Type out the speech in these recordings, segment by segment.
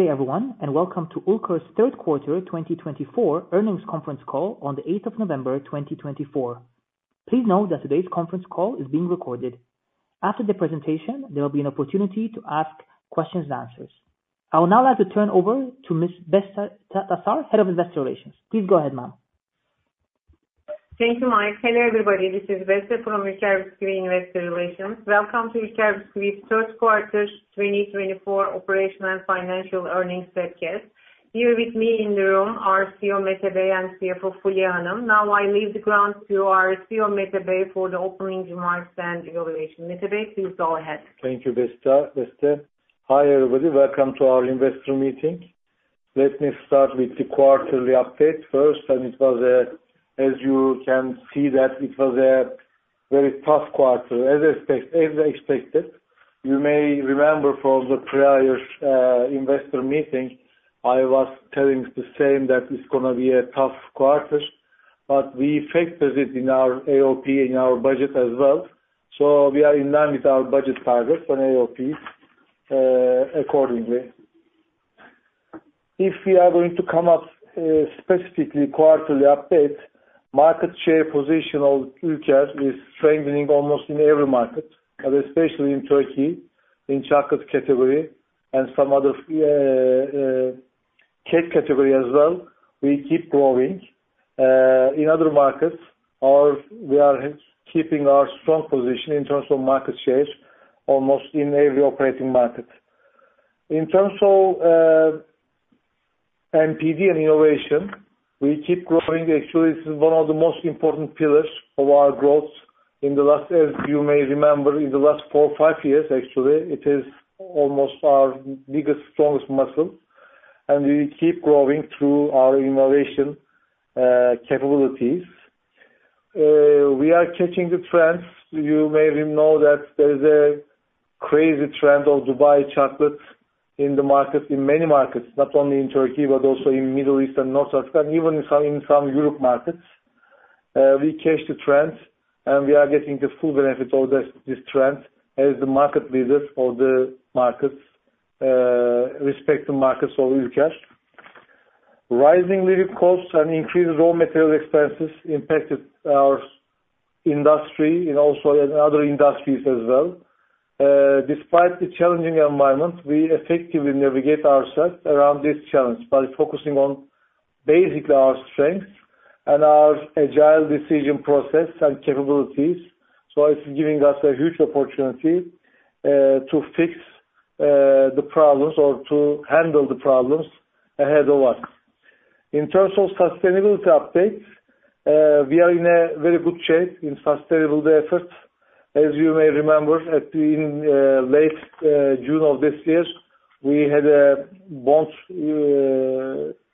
Today, everyone, and welcome to Ülker's third quarter 2024 earnings conference call on the 8th of November, 2024. Please note that today's conference call is being recorded. After the presentation, there will be an opportunity to ask questions and answers. I will now like to turn over to Ms. Beste Taşar, Head of Investor Relations. Please go ahead, ma'am. Thank you, Mike. Hello, everybody. This is Beste from Ülker Bisküvi, Investor Relations. Welcome to Ülker Bisküvi's third quarter 2024 operational and financial earnings webcast. Here with me in the room are CEO Mete Buyurgan and CFO Fulya Hanım. Now I leave the floor to our CEO Mete Bey for the opening remarks and evaluation. Mete Bey, please go ahead. Thank you, Beste. Hi, everybody. Welcome to our investor meeting. Let me start with the quarterly update first. It was a, as you can see, that it was a very tough quarter, as expected. You may remember from the prior investor meeting, I was telling the same that it's going to be a tough quarter. But we factored it in our AOP, in our budget as well. So we are in line with our budget targets and AOP accordingly. If we are going to come up specifically quarterly updates, market share position of Ülker is strengthening almost in every market, but especially in Turkey, in chocolate category, and some other cake category as well. We keep growing. In other markets, we are keeping our strong position in terms of market share almost in every operating market. In terms of NPD and innovation, we keep growing. Actually, this is one of the most important pillars of our growth in the last, as you may remember, in the last four or five years. Actually, it is almost our biggest, strongest muscle. And we keep growing through our innovation capabilities. We are catching the trends. You may know that there is a crazy trend of Dubai chocolate in the market, in many markets, not only in Turkey, but also in Middle East and North Africa, and even in some European markets. We catch the trend, and we are getting the full benefit of this trend as the market leaders of the markets, respective markets of Ülker. Rising living costs and increased raw material expenses impacted our industry and also other industries as well. Despite the challenging environment, we effectively navigate ourselves around this challenge by focusing on basically our strengths and our agile decision process and capabilities. So it's giving us a huge opportunity to fix the problems or to handle the problems ahead of us. In terms of sustainability updates, we are in a very good shape in sustainability efforts. As you may remember, in late June of this year, we had a bond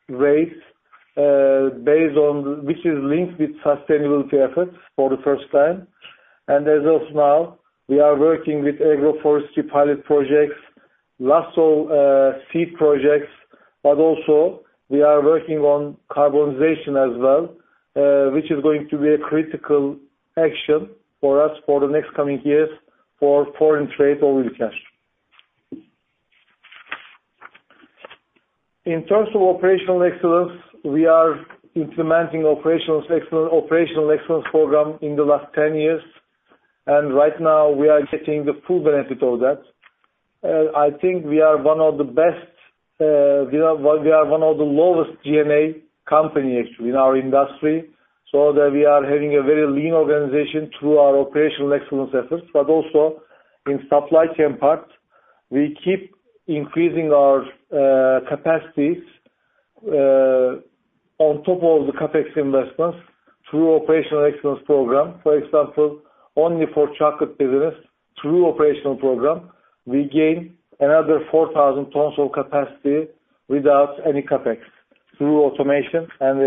raise based on which is linked with sustainability efforts for the first time. And as of now, we are working with agroforestry pilot projects, last seed projects, but also we are working on carbonization as well, which is going to be a critical action for us for the next coming years for foreign trade of Ülker. In terms of operational excellence, we are implementing operational excellence program in the last 10 years. And right now, we are getting the full benefit of that. I think we are one of the best. We are one of the lowest G&A company, actually, in our industry. So that we are having a very lean organization through our operational excellence efforts. But also in supply chain part, we keep increasing our capacities on top of the CAPEX investments through operational excellence program. For example, only for chocolate business, through operational program, we gain another 4,000 tons of capacity without any CAPEX through automation and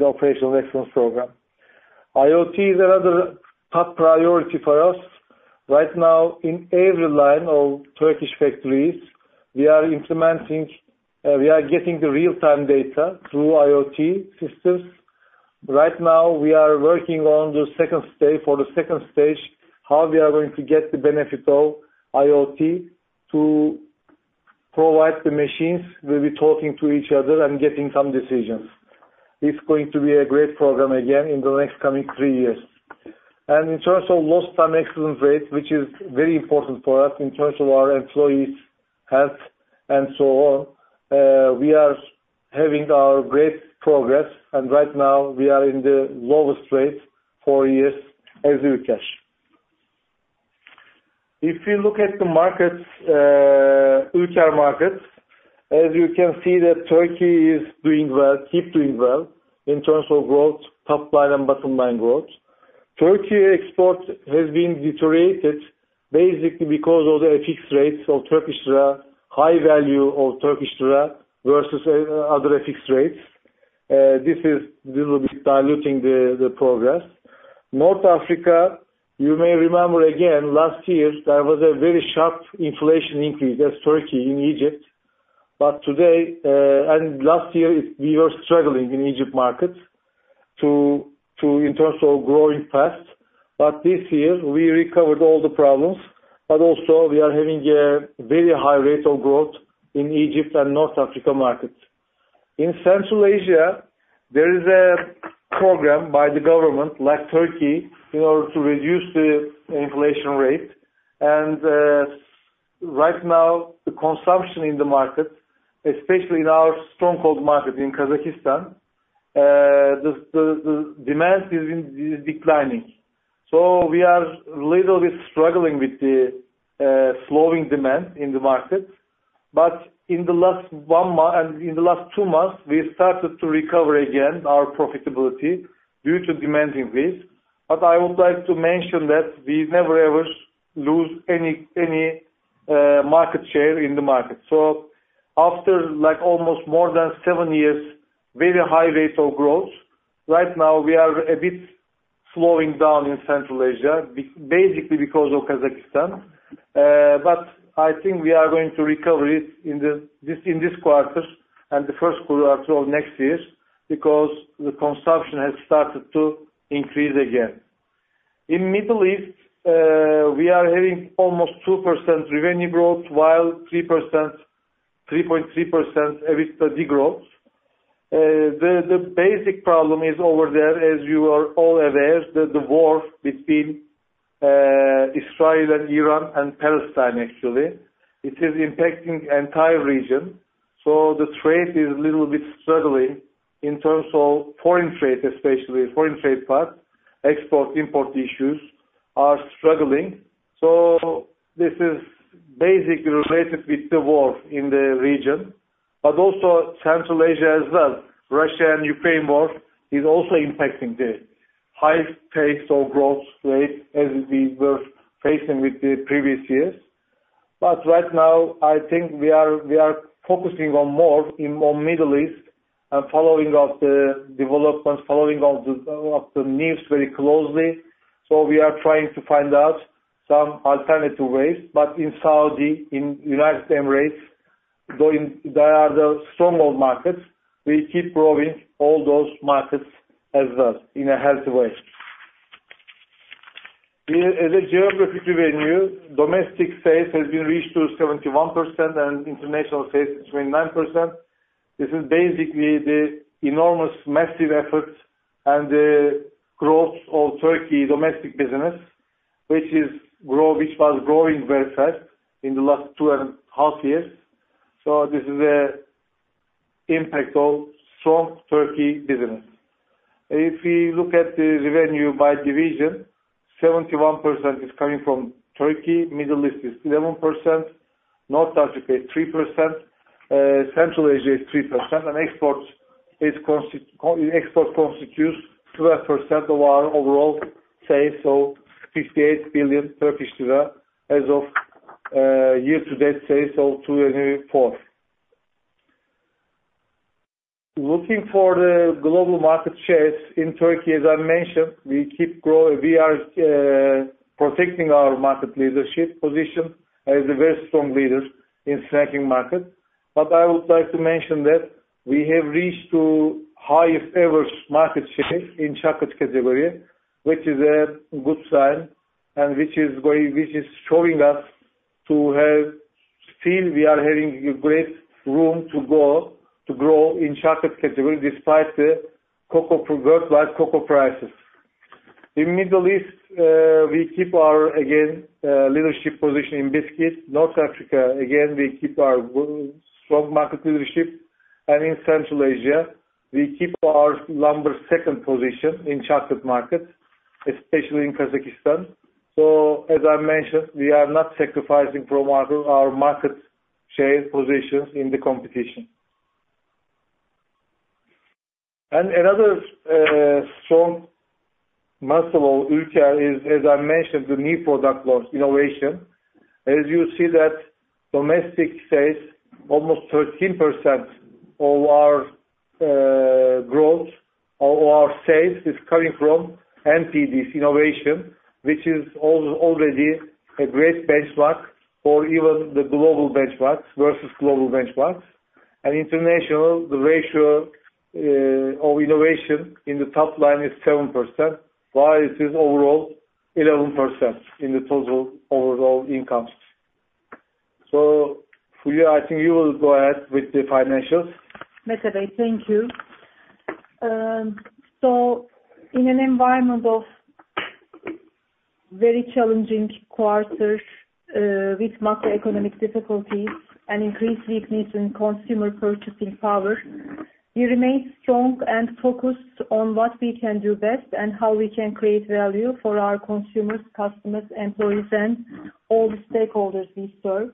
the operational excellence program. IoT is another top priority for us. Right now, in every line of Turkish factories, we are implementing. We are getting the real-time data through IoT systems. Right now, we are working on the second stage, how we are going to get the benefit of IoT so the machines will be talking to each other and making some decisions. It's going to be a great program again in the next coming three years. In terms of lost time excellence rate, which is very important for us in terms of our employees' health and so on, we are having our great progress. Right now, we are in the lowest rate for years as we can. If you look at the markets, Ülker markets, as you can see that Turkey is doing well, keep doing well in terms of growth, top line and bottom line growth. Turkey export has been deteriorated basically because of the FX rates of Turkish lira, high value of Turkish lira versus other FX rates. This is a little bit diluting the progress. North Africa, you may remember again last year, there was a very sharp inflation increase as in Turkey in Egypt. But today, and last year, we were struggling in Egypt market in terms of growing fast. But this year, we recovered all the problems. But also, we are having a very high rate of growth in Egypt and North Africa markets. In Central Asia, there is a program by the government like Turkey in order to reduce the inflation rate. And right now, the consumption in the market, especially in our stronghold market in Kazakhstan, the demand is declining. So we are a little bit struggling with the slowing demand in the market. But in the last one month and in the last two months, we started to recover again our profitability due to demand increase. But I would like to mention that we never ever lose any market share in the market. So after almost more than seven years, very high rate of growth, right now, we are a bit slowing down in Central Asia basically because of Kazakhstan. But I think we are going to recover in this quarter and the first quarter of next year because the consumption has started to increase again. In Middle East, we are having almost 2% revenue growth while 3.3% with the degrowth. The basic problem is over there, as you are all aware, the war between Israel and Iran and Palestine, actually. It is impacting the entire region. So the trade is a little bit struggling in terms of foreign trade, especially foreign trade part. Export-import issues are struggling. So this is basically related with the war in the region. But also Central Asia as well. Russia and Ukraine war is also impacting the high pace of growth rate as we were facing with the previous years. But right now, I think we are focusing on more in Middle East and following up the developments, following up the news very closely. So we are trying to find out some alternative ways. But in Saudi Arabia, in United Arab Emirates, there are the stronghold markets. We keep growing all those markets as well in a healthy way. As a geographic revenue, domestic sales have been reached to 71% and international sales to 29%. This is basically the enormous massive effort and the growth of Turkey domestic business, which was growing very fast in the last two and a half years. So this is the impact of strong Turkey business. If we look at the revenue by division, 71% is coming from Turkey. Middle East is 11%. North Africa is 3%. Central Asia is 3%. And exports constitute 12% of our overall sales, so 58 billion Turkish lira as of year-to-date sales of 2024. Looking for the global market shares in Turkey, as I mentioned, we keep growing. We are protecting our market leadership position as a very strong leader in snacking market. But I would like to mention that we have reached to highest-ever market share in chocolate category, which is a good sign and which is showing us to have still we are having a great room to grow in chocolate category despite the worldwide cocoa prices. In Middle East, we keep our, again, leadership position in biscuit. North Africa, again, we keep our strong market leadership. And in Central Asia, we keep our number second position in chocolate market, especially in Kazakhstan. As I mentioned, we are not sacrificing from our market share positions in the competition. Another strong muscle of Ülker is, as I mentioned, the new product launches, innovation. As you see that domestic sales, almost 13% of our growth or our sales is coming from NPDs, innovation, which is already a great benchmark for even the global benchmarks versus global benchmarks. International, the ratio of innovation in the top line is 7%, while it is overall 11% in the total overall incomes. Fulya, I think you will go ahead with the financials. Mete Bey, thank you. So in an environment of very challenging quarters with macroeconomic difficulties and increased weakness in consumer purchasing power, we remain strong and focused on what we can do best and how we can create value for our consumers, customers, employees, and all the stakeholders we serve.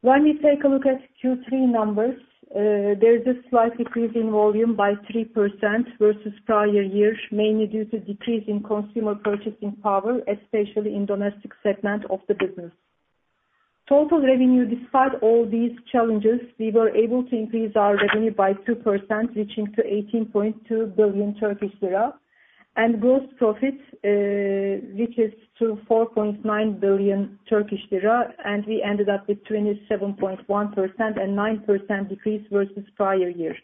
When we take a look at Q3 numbers, there is a slight decrease in volume by 3% versus prior year, mainly due to decrease in consumer purchasing power, especially in domestic segment of the business. Total revenue, despite all these challenges, we were able to increase our revenue by 2%, reaching to 18.2 billion Turkish lira, and gross profit, which is to 4.9 billion Turkish lira. And we ended up with 27.1% and 9% decrease versus prior year.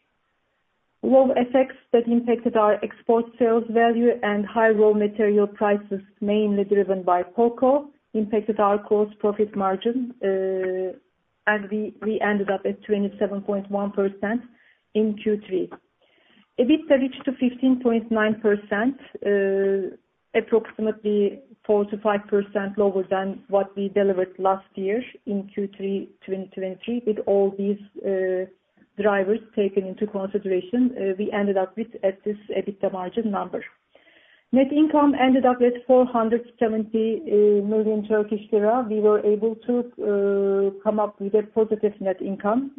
Low FX that impacted our export sales value and high raw material prices, mainly driven by cocoa, impacted our gross profit margin, and we ended up at 27.1% in Q3. EBITDA reached to 15.9%, approximately 4%-5% lower than what we delivered last year in Q3 2023. With all these drivers taken into consideration, we ended up with at this EBITDA margin number. Net income ended up with 470 million Turkish lira. We were able to come up with a positive net income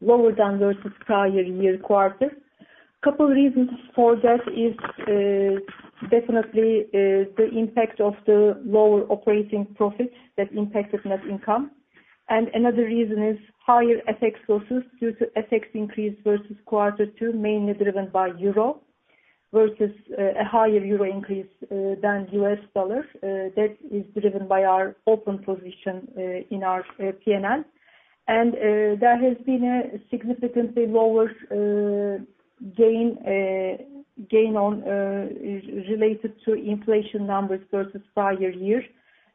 lower than versus prior year quarter. Couple of reasons for that is definitely the impact of the lower operating profit that impacted net income. Another reason is higher FX losses due to FX increase versus quarter two, mainly driven by euro versus a higher euro increase than US dollar. That is driven by our open position in our P&L. There has been a significantly lower gain related to inflation numbers versus prior year.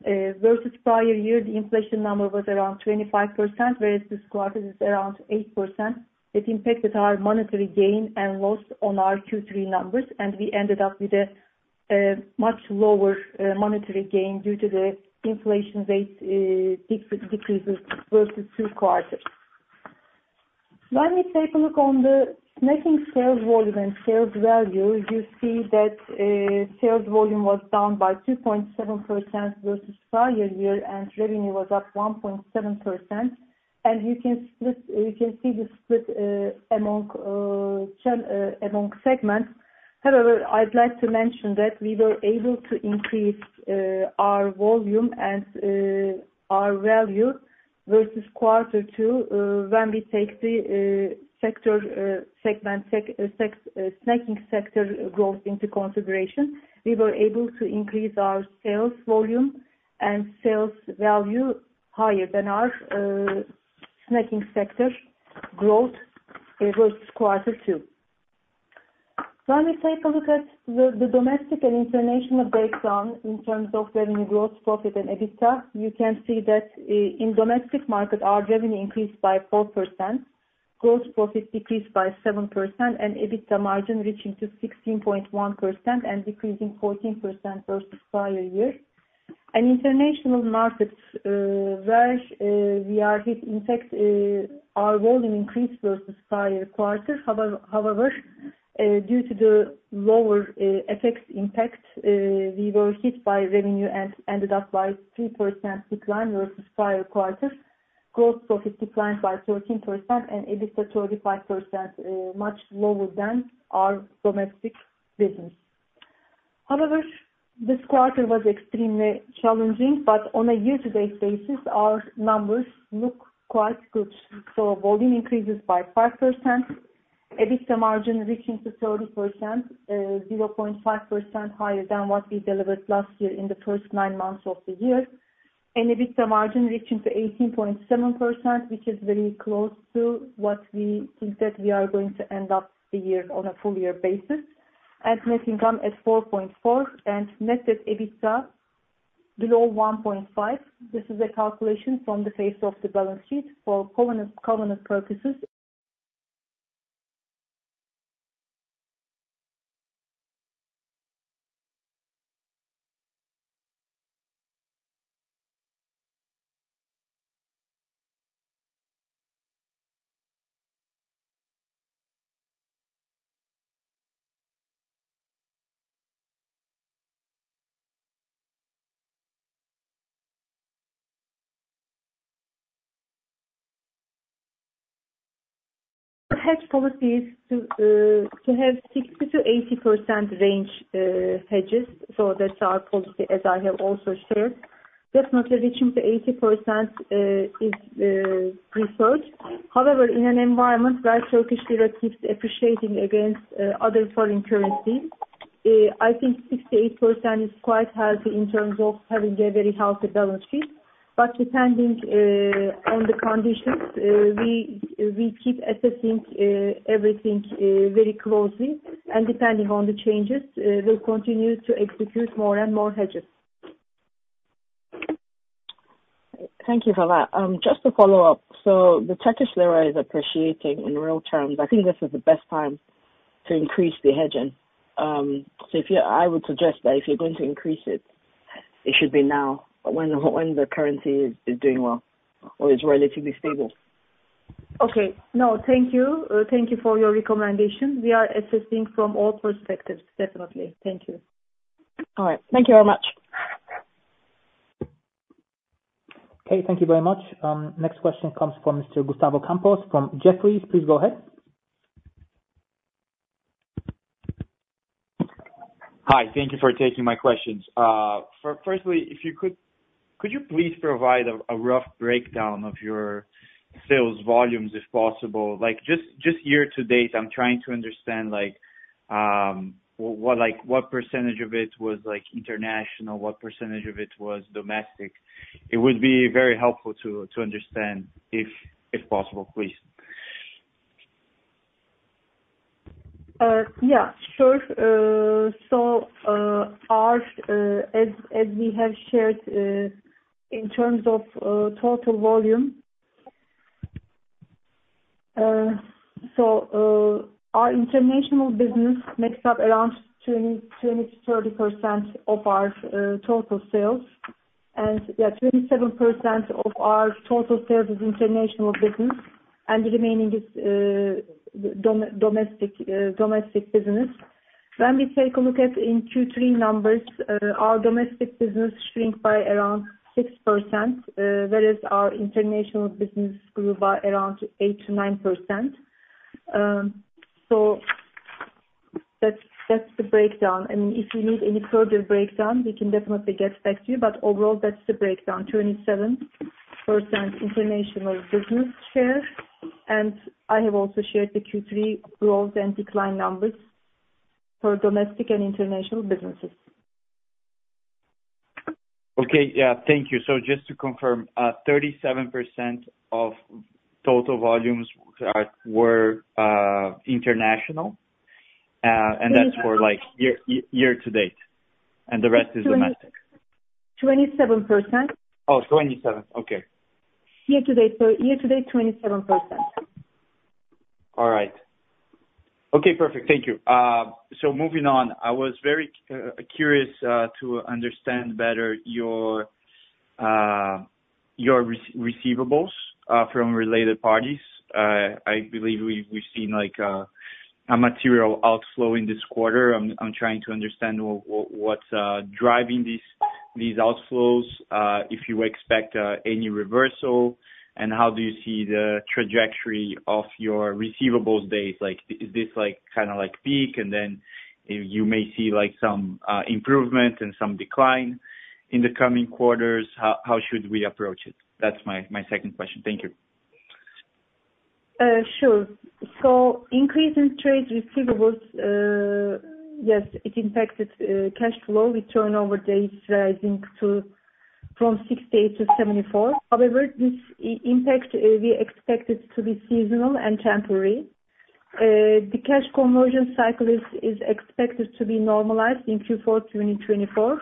Versus prior year, the inflation number was around 25%, whereas this quarter is around 8%. It impacted our monetary gain and loss on our Q3 numbers, and we ended up with a much lower monetary gain due to the inflation rate decreases versus two quarters. When we take a look on the snacking sales volume and sales value, you see that sales volume was down by 2.7% versus prior year, and revenue was up 1.7%. And you can see the split among segments. However, I'd like to mention that we were able to increase our volume and our value versus quarter two when we take the sector segment, snacking sector growth into consideration. We were able to increase our sales volume and sales value higher than our snacking sector growth versus quarter two. When we take a look at the domestic and international breakdown in terms of revenue, gross profit, and EBITDA, you can see that in domestic market, our revenue increased by 4%, gross profit decreased by 7%, and EBITDA margin reaching to 16.1% and decreasing 14% versus prior year. And international markets where we are hit, in fact, our volume increased versus prior quarter. However, due to the lower FX impact, we were hit by revenue and ended up by 3% decline versus prior quarter. Gross profit declined by 13% and EBITDA 25%, much lower than our domestic business. However, this quarter was extremely challenging, but on a year-to-date basis, our numbers look quite good. So volume increases by 5%, EBITDA margin reaching to 30%, 0.5% higher than what we delivered last year in the first nine months of the year. EBITDA margin reaching to 18.7%, which is very close to what we think that we are going to end up the year on a full year basis. Net income at 4.4% and net debt to EBITDA below 1.5x. This is a calculation from the face of the balance sheet for covenant purposes. Hedging policies to have 60%-80% range hedges. That's our policy, as I have also shared. Definitely reaching to 80% is preferred. However, in an environment where Turkish lira keeps appreciating against other foreign currencies, I think 68% is quite healthy in terms of having a very healthy balance sheet. Depending on the conditions, we keep assessing everything very closely. Depending on the changes, we'll continue to execute more and more hedges. Thank you for that. Just to follow up, so the Turkish Lira is appreciating in real terms. I think this is the best time to increase the hedging. So I would suggest that if you're going to increase it, it should be now when the currency is doing well or is relatively stable. Okay. No, thank you. Thank you for your recommendation. We are assessing from all perspectives, definitely. Thank you. All right. Thank you very much. Okay. Thank you very much. Next question comes from Mr. Gustavo Campos from Jefferies. Please go ahead. Hi. Thank you for taking my questions. Firstly, could you please provide a rough breakdown of your sales volumes, if possible? Just year-to-date, I'm trying to understand what percentage of it was international, what percentage of it was domestic. It would be very helpful to understand, if possible, please. Yeah, sure. So as we have shared in terms of total volume, so our international business makes up around 20%-30% of our total sales. And yeah, 27% of our total sales is international business, and the remaining is domestic business. When we take a look at in Q3 numbers, our domestic business shrink by around 6%, whereas our international business grew by around 8%-9%. So that's the breakdown. I mean, if you need any further breakdown, we can definitely get back to you. But overall, that's the breakdown: 27% international business share. And I have also shared the Q3 growth and decline numbers for domestic and international businesses. Okay. Yeah. Thank you. So just to confirm, 37% of total volumes were international, and that's for year-to-date, and the rest is domestic. 27%. Oh, 27. Okay. Year-to-date. So year-to-date, 27%. All right. Okay. Perfect. Thank you. So moving on, I was very curious to understand better your receivables from related parties. I believe we've seen a material outflow in this quarter. I'm trying to understand what's driving these outflows, if you expect any reversal, and how do you see the trajectory of your receivables days? Is this kind of peak, and then you may see some improvement and some decline in the coming quarters? How should we approach it? That's my second question. Thank you. Sure. So, increase in trade receivables, yes, it impacted cash flow. Turnover days is rising from 68 to 74. However, this impact we expect it to be seasonal and temporary. The cash conversion cycle is expected to be normalized in Q4 2024.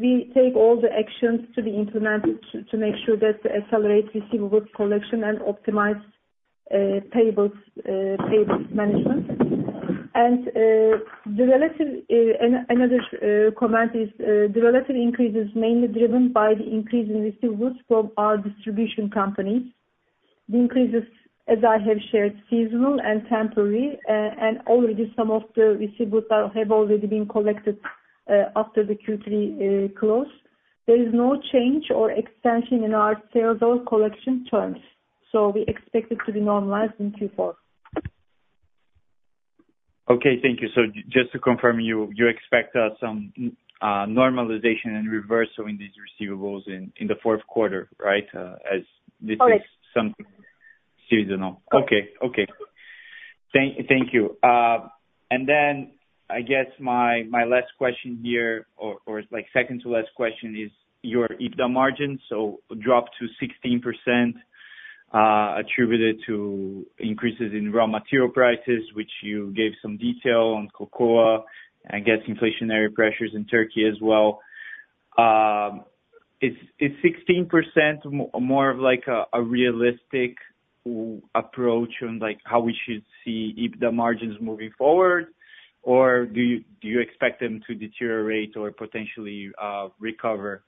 We take all the actions to be implemented to make sure that to accelerate receivables collection and optimize payables management. And another comment is the relative increase is mainly driven by the increase in receivables from our distribution companies. The increase is, as I have shared, seasonal and temporary, and already some of the receivables have already been collected after the Q3 close. There is no change or extension in our sales or collection terms. So we expect it to be normalized in Q4. Okay. Thank you. So just to confirm, you expect some normalization and reversal in these receivables in the fourth quarter, right, as this is something seasonal? Correct. Okay. Okay. Thank you. And then I guess my last question here, or second to last question, is your EBITDA margin. So dropped to 16% attributed to increases in raw material prices, which you gave some detail on cocoa, and I guess inflationary pressures in Turkey as well. Is 16% more of a realistic approach on how we should see EBITDA margins moving forward, or do you expect them to deteriorate or potentially recover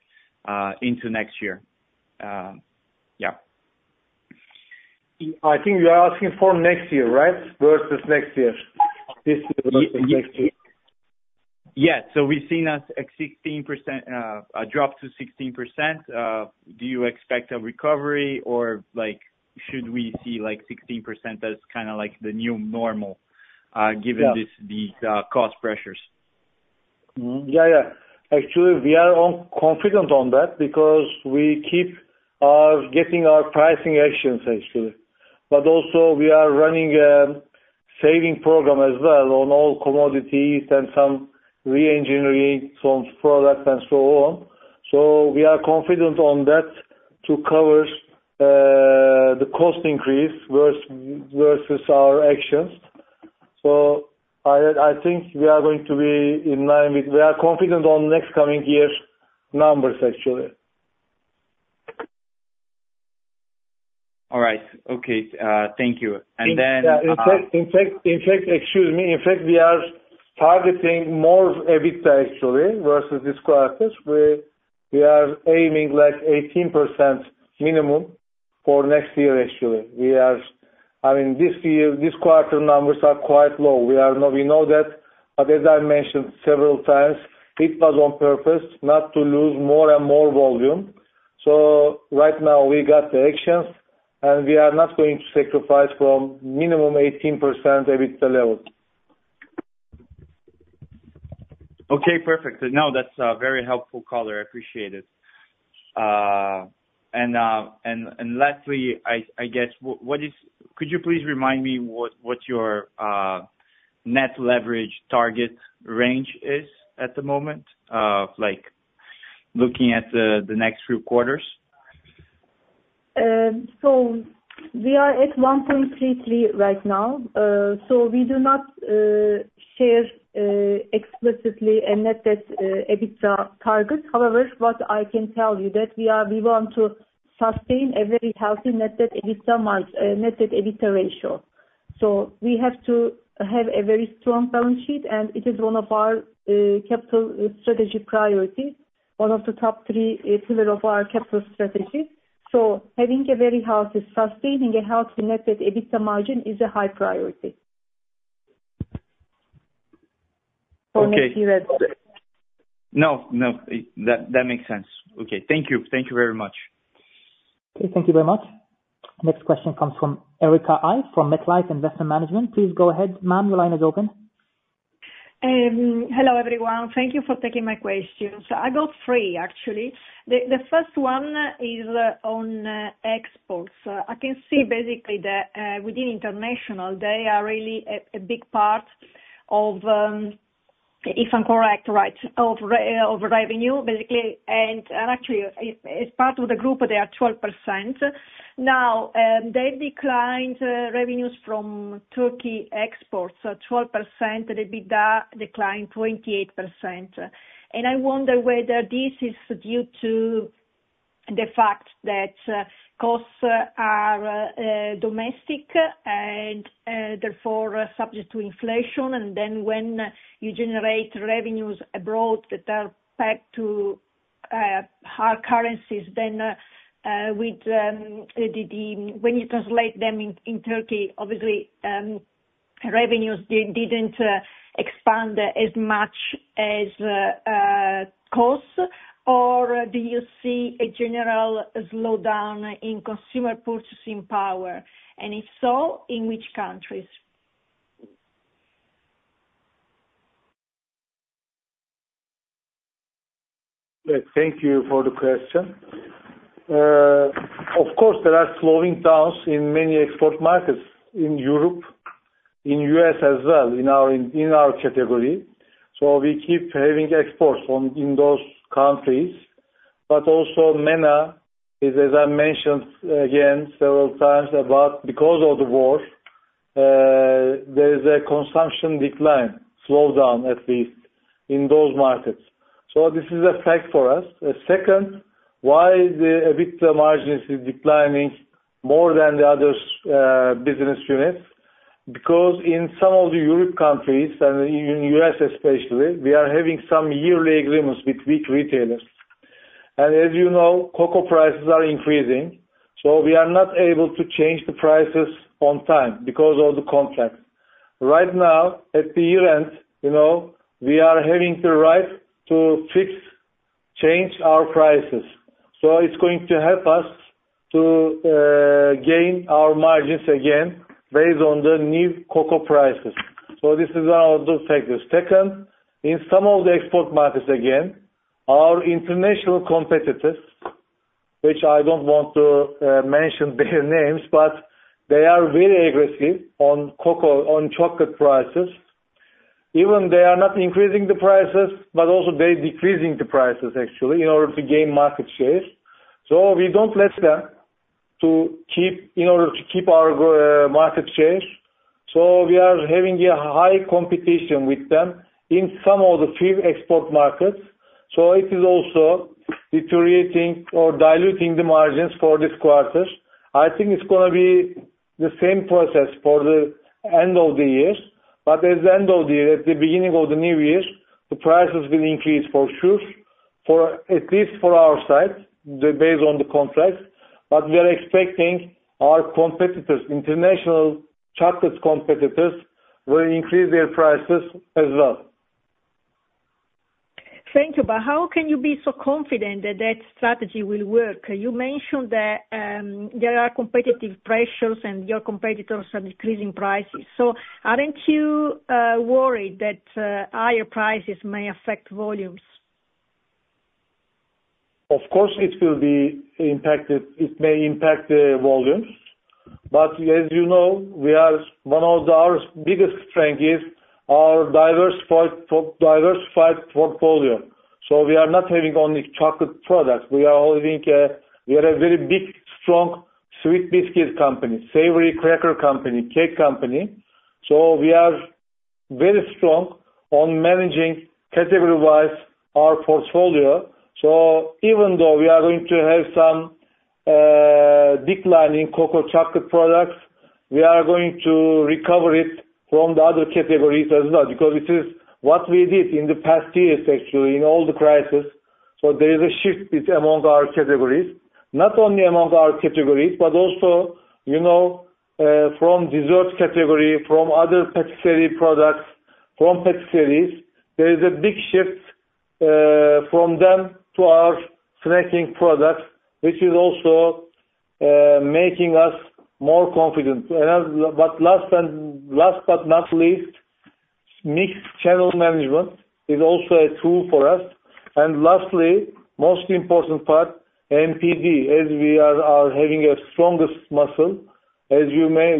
into next year? Yeah. I think you're asking for next year, right, versus next year? This year versus next year? Yeah. So we've seen a drop to 16%. Do you expect a recovery, or should we see 16% as kind of the new normal given these cost pressures? Yeah, yeah. Actually, we are confident on that because we keep getting our pricing actions, actually. But also, we are running a saving program as well on all commodities and some re-engineering from product and so on. So we are confident on that to cover the cost increase versus our actions. So I think we are going to be in line with we are confident on next coming year's numbers, actually. All right. Okay. Thank you. And then. In fact, excuse me, in fact, we are targeting more EBITDA, actually, versus this quarter. We are aiming 18% minimum for next year, actually. I mean, this quarter numbers are quite low. We know that. But as I mentioned several times, it was on purpose not to lose more and more volume. So right now, we got the actions, and we are not going to sacrifice from minimum 18% EBITDA level. Okay. Perfect. No, that's a very helpful caller. I appreciate it. And lastly, I guess, could you please remind me what your net leverage target range is at the moment, looking at the next few quarters? So we are at 1.33 right now. So we do not share explicitly a net EBITDA target. However, what I can tell you is that we want to sustain a very healthy Net EBITDA ratio. So we have to have a very strong balance sheet, and it is one of our capital strategy priorities, one of the top three pillars of our capital strategy. So having a very healthy, sustaining a healthy net EBITDA margin is a high priority. So next year, that's. No, no. That makes sense. Okay. Thank you. Thank you very much. Okay. Thank you very much. Next question comes from Erica Iaia from MetLife Investment Management. Please go ahead, ma'am. Your line is open. Hello, everyone. Thank you for taking my questions. I got three, actually. The first one is on exports. I can see, basically, that within international, they are really a big part of, if I'm correct, right, of revenue, basically. And actually, as part of the group, they are 12%. Now, they've declined. Revenues from Turkey exports 12%. The EBITDA declined 28%. And I wonder whether this is due to the fact that costs are domestic and therefore subject to inflation. And then when you generate revenues abroad that are pegged to hard currencies, then when you translate them in Turkey, obviously, revenues didn't expand as much as costs. Or do you see a general slowdown in consumer purchasing power? And if so, in which countries? Thank you for the question. Of course, there are slowdowns in many export markets in Europe, in the U.S. as well, in our category. So we keep having exports in those countries. But also, MENA, as I mentioned again several times, because of the war, there is a consumption decline, slowdown, at least, in those markets. So this is a fact for us. Second, why the EBITDA margin is declining more than the other business units? Because in some of the Europe countries, and in the U.S. especially, we are having some yearly agreements with big retailers. And as you know, cocoa prices are increasing. So we are not able to change the prices on time because of the contract. Right now, at the year-end, we are having the right to fix, change our prices. So it's going to help us to gain our margins again based on the new cocoa prices. So this is one of the factors. Second, in some of the export markets, again, our international competitors, which I don't want to mention their names, but they are very aggressive on cocoa, on chocolate prices. Even they are not increasing the prices, but also they're decreasing the prices, actually, in order to gain market share. So we don't let them in order to keep our market share. So we are having a high competition with them in some of the few export markets. So it is also deteriorating or diluting the margins for this quarter. I think it's going to be the same process for the end of the year. But at the end of the year, at the beginning of the new year, the prices will increase for sure, at least for our side, based on the contract. But we are expecting our competitors, international chocolate competitors, will increase their prices as well. Thank you. But how can you be so confident that that strategy will work? You mentioned that there are competitive pressures and your competitors are decreasing prices. So aren't you worried that higher prices may affect volumes? Of course, it will be impacted. It may impact the volumes. But as you know, one of our biggest strengths is our diversified portfolio. So we are not having only chocolate products. We are a very big, strong sweet biscuit company, savory cracker company, cake company. So we are very strong on managing category-wise our portfolio. So even though we are going to have some declining cocoa chocolate products, we are going to recover it from the other categories as well because this is what we did in the past years, actually, in all the crises. So there is a shift among our categories, not only among our categories, but also from dessert category, from other pâtisserie products, from pâtisseries. There is a big shift from them to our snacking products, which is also making us more confident. But last but not least, mixed channel management is also a tool for us. And lastly, most important part, NPD, as we are having a strongest muscle, as you may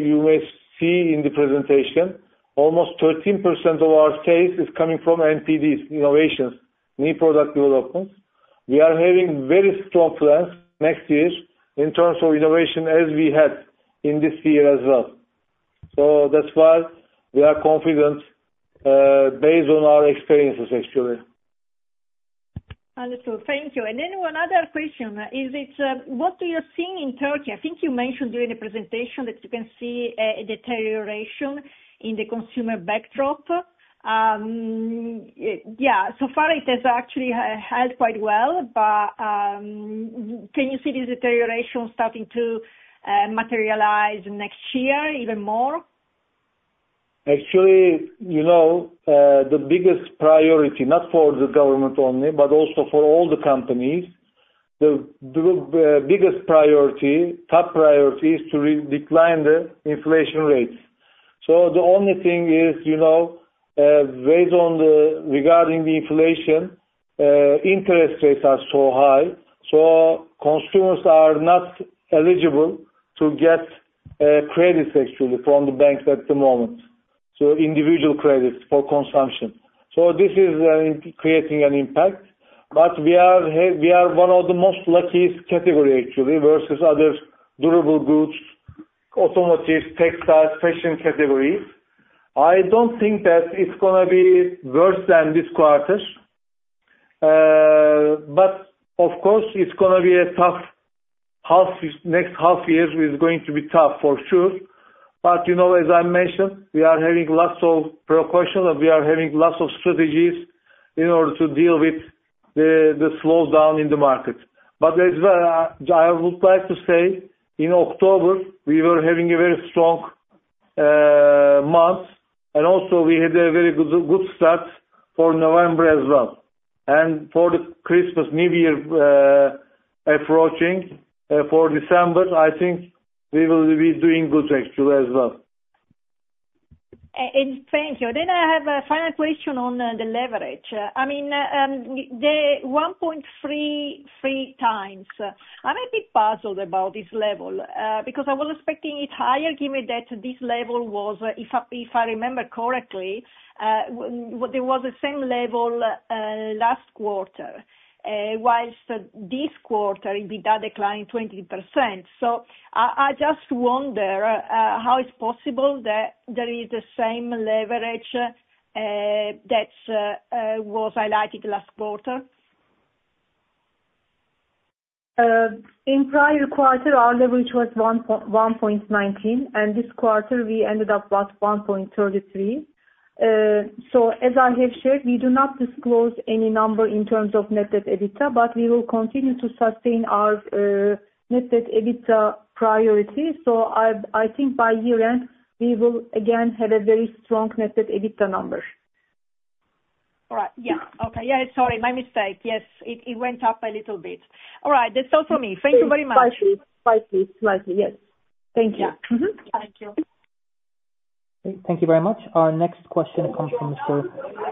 see in the presentation, almost 13% of our sales is coming from NPDs, innovations, new product developments. We are having very strong plans next year in terms of innovation as we had in this year as well. So that's why we are confident based on our experiences, actually. Understood. Thank you. And then one other question. What do you see in Turkey? I think you mentioned during the presentation that you can see a deterioration in the consumer backdrop. Yeah. So far, it has actually held quite well. But can you see this deterioration starting to materialize next year even more? Actually, the biggest priority, not for the government only, but also for all the companies, the biggest priority, top priority, is to really decline the inflation rates. So the only thing is, based on regarding the inflation, interest rates are so high. So consumers are not eligible to get credits, actually, from the banks at the moment, so individual credits for consumption. So this is creating an impact. But we are one of the most luckiest categories, actually, versus other durable goods, automotive, textiles, fashion categories. I don't think that it's going to be worse than this quarter. But of course, it's going to be a tough next half year is going to be tough for sure. But as I mentioned, we are having lots of precautions. We are having lots of strategies in order to deal with the slowdown in the market. But as well, I would like to say, in October, we were having a very strong month. And also, we had a very good start for November as well. And for the Christmas, New Year approaching, for December, I think we will be doing good, actually, as well. Thank you. Then I have a final question on the leverage. I mean, the 1.33 times. I'm a bit puzzled about this level because I was expecting it higher, given that this level was, if I remember correctly, there was the same level last quarter, whilst this quarter, EBITDA declined 20%. So I just wonder how it's possible that there is the same leverage that was highlighted last quarter. In prior quarter, our leverage was 1.19, and this quarter, we ended up at 1.33, so as I have shared, we do not disclose any number in terms of net EBITDA, but we will continue to sustain our net EBITDA priority, so I think by year-end, we will again have a very strong net EBITDA number. All right. Yeah. Okay. Yeah. Sorry, my mistake. Yes, it went up a little bit. All right. That's all from me. Thank you very much. Slightly. Yes. Thank you. Yeah. Thank you. Thank you very much. Our next question comes from Mr.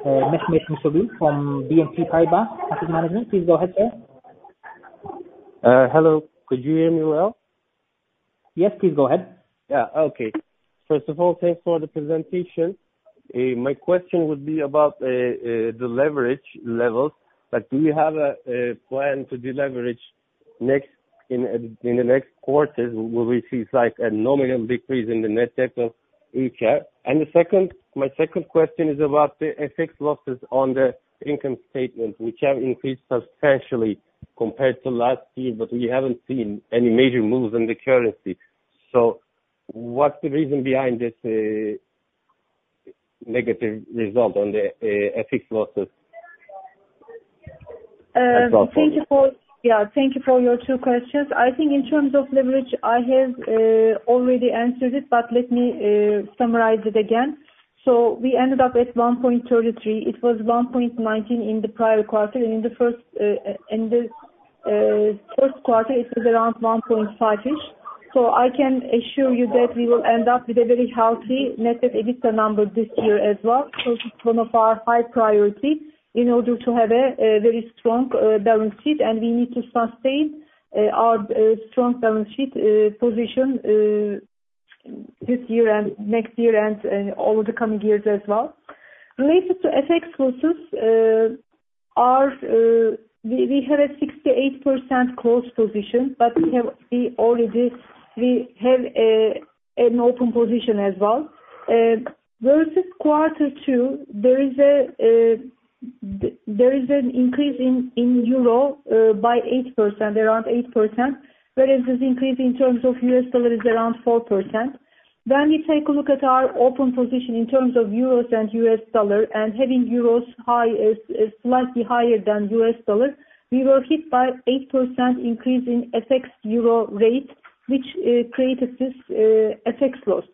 Mehmet Yusufoglu from BNP Paribas Asset Management. Please go ahead, sir. Hello. Could you hear me well? Yes, please go ahead. Yeah. Okay. First of all, thanks for the presentation. My question would be about the leverage levels. Do we have a plan to deleverage in the next quarter? Will we see a nominal decrease in the net debt of Ülker? And my second question is about the FX losses on the income statement, which have increased substantially compared to last year, but we haven't seen any major moves in the currency. So what's the reason behind this negative result on the FX losses? That's all for me. Yeah. Thank you for your two questions. I think in terms of leverage, I have already answered it, but let me summarize it again. So we ended up at 1.33. It was 1.19 in the prior quarter. And in the first quarter, it was around 1.5-ish. So I can assure you that we will end up with a very healthy Net Debt/EBITDA number this year as well. So it's one of our high priorities in order to have a very strong balance sheet. And we need to sustain our strong balance sheet position this year and next year and over the coming years as well. Related to FX losses, we have a 68% closed position, but we already have an open position as well. Versus quarter two, there is an increase in Euro by 8%, around 8%, whereas this increase in terms of U.S. dollar is around 4%. When we take a look at our open position in terms of euros and U.S. dollar, and having euros slightly higher than U.S. dollar, we were hit by an 8% increase in FX euro rate, which created these FX losses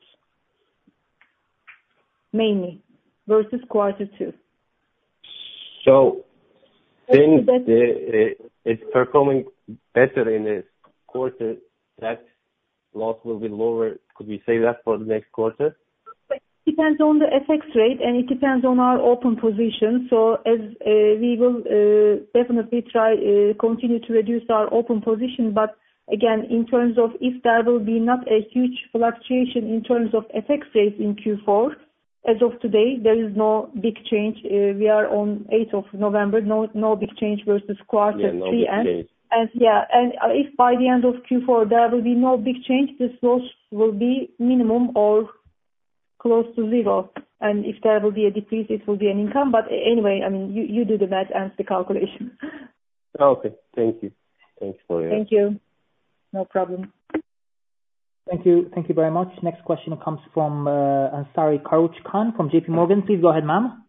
mainly versus quarter two. So it's performing better in this quarter. That loss will be lower. Could we say that for the next quarter? It depends on the FX rate, and it depends on our open position. So we will definitely try to continue to reduce our open position. But again, in terms of if there will be not a huge fluctuation in terms of FX rates in Q4, as of today, there is no big change. We are on 8th of November, no big change versus quarter three. No big change. Yeah. And if by the end of Q4, there will be no big change, this loss will be minimum or close to zero. And if there will be a decrease, it will be an increase. But anyway, I mean, you do the math and the calculation. Okay. Thank you. Thanks for your help. Thank you. No problem. Thank you. Thank you very much. Next question comes from Ansar Karuch Khan from J.P. Morgan. Please go ahead, ma'am.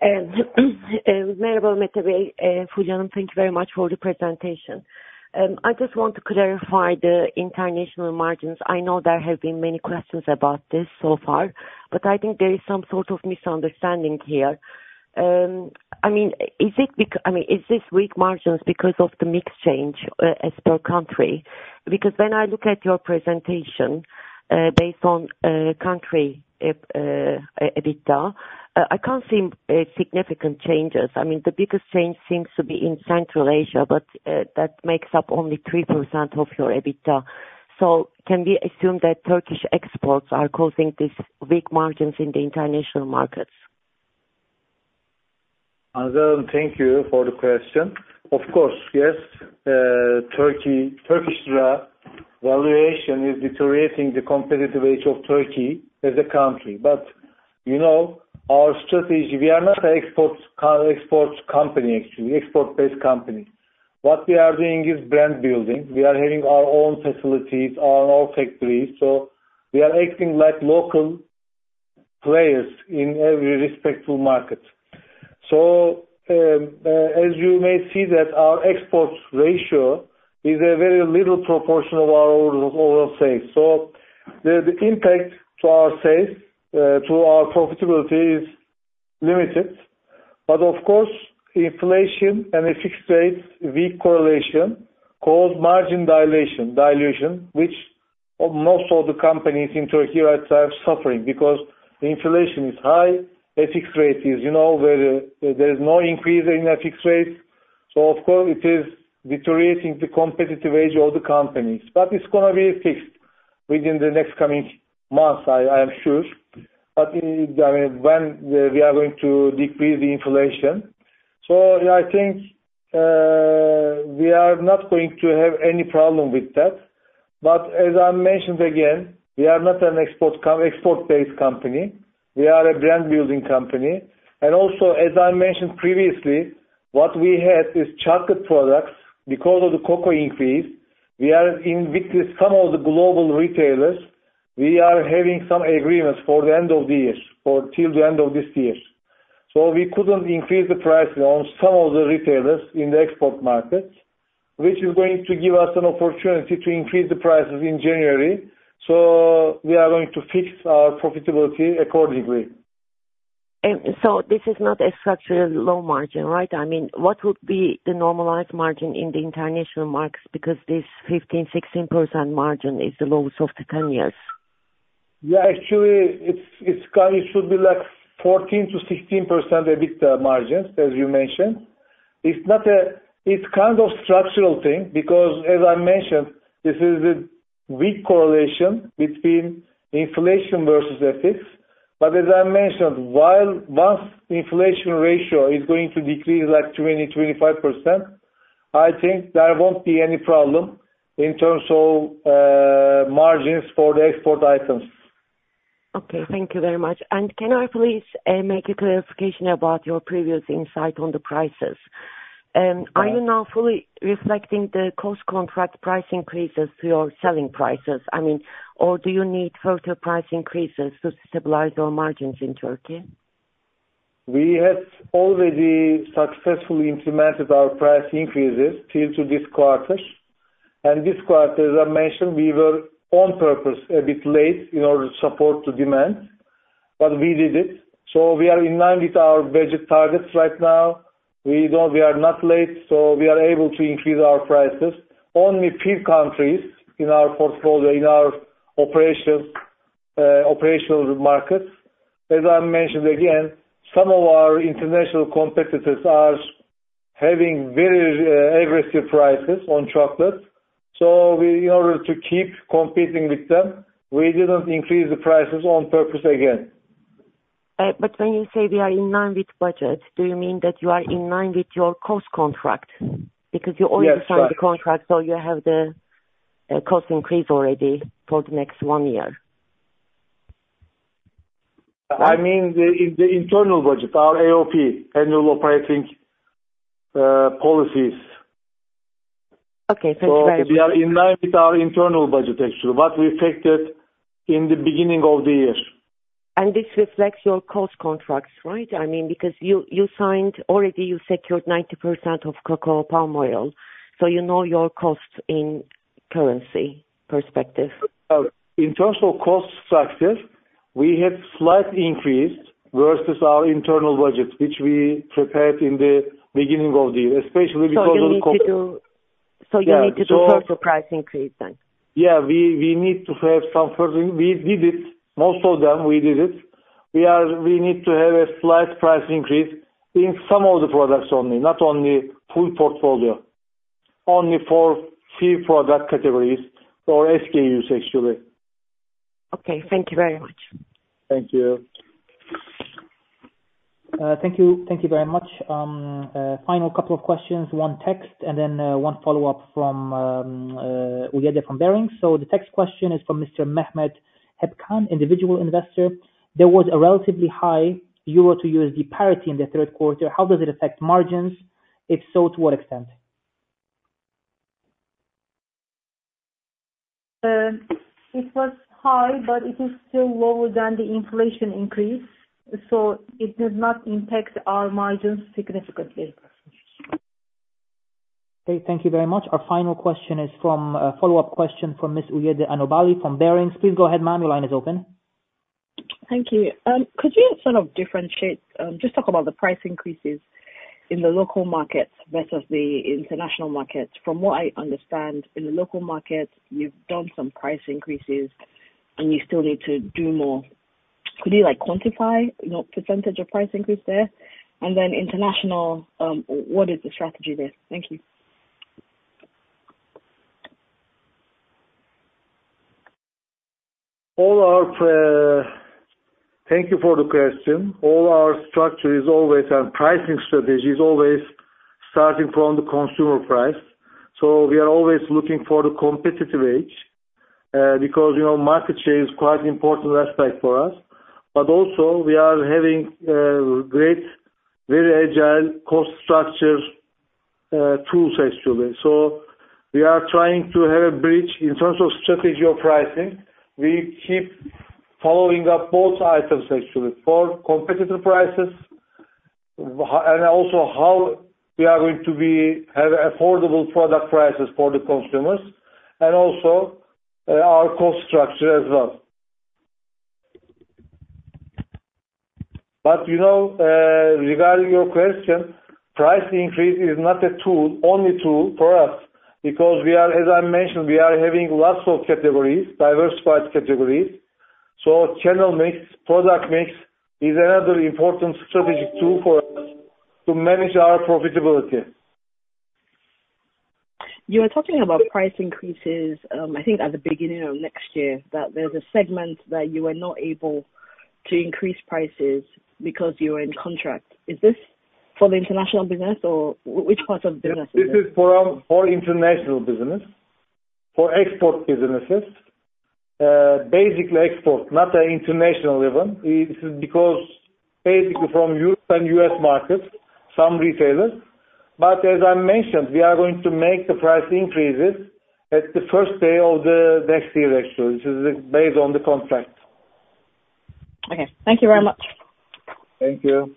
Merhaba Mehmet Bey, thank you very much for the presentation. I just want to clarify the international margins. I know there have been many questions about this so far, but I think there is some sort of misunderstanding here. I mean, is this weak margins because of the mix change as per country? Because when I look at your presentation based on country EBITDA, I can't see significant changes. I mean, the biggest change seems to be in Central Asia, but that makes up only 3% of your EBITDA. So can we assume that Turkish exports are causing these weak margins in the international markets? Ansar, thank you for the question. Of course, yes. Turkish valuation is deteriorating the competitive edge of Turkey as a country. But our strategy, we are not an export company, actually, export-based company. What we are doing is brand building. We are having our own facilities, our own factories. So we are acting like local players in every respective market. So as you may see, our export ratio is a very little proportion of our overall sales. So the impact to our sales, to our profitability, is limited. But of course, inflation and FX rates, weak correlation, cause margin dilution, which most of the companies in Turkey are suffering because inflation is high, FX rate is very there is no increase in FX rates. So of course, it is deteriorating the competitive edge of the companies. But it's going to be fixed within the next coming months, I am sure. But when we are going to decrease the inflation. So I think we are not going to have any problem with that. But as I mentioned again, we are not an export-based company. We are a brand-building company. And also, as I mentioned previously, what we had is chocolate products. Because of the cocoa increase, we are with some of the global retailers. We are having some agreements for the end of the year, till the end of this year. So we couldn't increase the prices on some of the retailers in the export markets, which is going to give us an opportunity to increase the prices in January. So we are going to fix our profitability accordingly. So this is not a structurally low margin, right? I mean, what would be the normalized margin in the international markets because this 15%-16% margin is the lowest of the 10 years? Yeah. Actually, it should be like 14%-16% EBITDA margins, as you mentioned. It's kind of a structural thing because, as I mentioned, this is a weak correlation between inflation versus FX. But as I mentioned, once the inflation ratio is going to decrease like 20%-25%, I think there won't be any problem in terms of margins for the export items. Okay. Thank you very much. And can I please make a clarification about your previous insight on the prices? Are you now fully reflecting the cost contract price increases to your selling prices? I mean, or do you need further price increases to stabilize your margins in Turkey? We have already successfully implemented our price increases till this quarter. And this quarter, as I mentioned, we were on purpose a bit late in order to support the demand. But we did it. So we are in line with our budget targets right now. We are not late. So we are able to increase our prices. Only few countries in our portfolio, in our operational markets. As I mentioned again, some of our international competitors are having very aggressive prices on chocolate. So in order to keep competing with them, we didn't increase the prices on purpose again. But when you say we are in line with budget, do you mean that you are in line with your cost contract? Because you already signed the contract, so you have the cost increase already for the next one year. I mean, the internal budget, our AOP, Annual Operating Plan. Okay. Thank you very much. We are in line with our internal budget, actually, what we affected in the beginning of the year. And this reflects your cost contracts, right? I mean, because already you secured 90% of cocoa palm oil. So you know your cost in currency perspective. In terms of cost structure, we have slight increase versus our internal budget, which we prepared in the beginning of the year, especially because of the cost. So you need to do further price increase then? Yeah. We need to have some further increase. We did it. Most of them, we did it. We need to have a slight price increase in some of the products only, not only full portfolio, only for few product categories or SKUs, actually. Okay. Thank you very much. Thank you. Thank you very much. Final couple of questions. One text and then one follow-up from Udeh from Barings, so the text question is from Mr. Mehmet Hepkan, individual investor. There was a relatively high euro to USD parity in the third quarter. How does it affect margins? If so, to what extent? It was high, but it is still lower than the inflation increase. So it does not impact our margins significantly. Okay. Thank you very much. Our final question is from a follow-up question from Ms. Udeh Anobali from Barings. Please go ahead, ma'am. Your line is open. Thank you. Could you sort of differentiate just talk about the price increases in the local markets versus the international markets? From what I understand, in the local markets, you've done some price increases, and you still need to do more. Could you quantify the percentage of price increase there? And then international, what is the strategy there? Thank you. Thank you for the question. Our cost structure is always our pricing strategy, is always starting from the consumer price. So we are always looking for the competitive edge because market share is quite an important aspect for us. But also, we are having great, very agile cost structure tools, actually. So we are trying to have a bridge in terms of strategy of pricing. We keep following up both items, actually, for competitive prices and also how we are going to have affordable product prices for the consumers and also our cost structure as well. But regarding your question, price increase is not the only tool for us because, as I mentioned, we are having lots of categories, diversified categories. So channel mix, product mix is another important strategic tool for us to manage our profitability. You were talking about price increases, I think, at the beginning of next year, that there's a segment that you were not able to increase prices because you were in contract. Is this for the international business, or which parts of the business is it? This is for international business, for export businesses, basically export, not an international level. This is because basically from Europe and U.S. markets, some retailers. But as I mentioned, we are going to make the price increases at the first day of the next year, actually. This is based on the contract. Okay. Thank you very much. Thank you.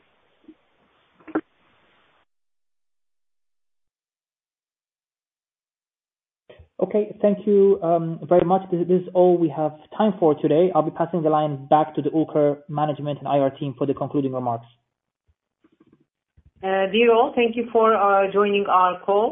Okay. Thank you very much. This is all we have time for today. I'll be passing the line back to the ULKR management and IR team for the concluding remarks. Dear all, thank you for joining our call.